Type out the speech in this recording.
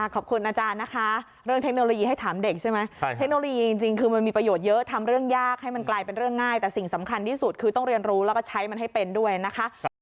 ขอบคุณอาจารย์นะคะเรื่องเทคโนโลยีให้ถามเด็กใช่ไหมเทคโนโลยีจริงคือมันมีประโยชน์เยอะทำเรื่องยากให้มันกลายเป็นเรื่องง่ายแต่สิ่งสำคัญที่สุดคือต้องเรียนรู้แล้วก็ใช้มันให้เป็นด้วยนะคะ